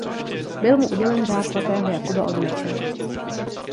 Byl mu udělen Řád svatého Jakuba od meče.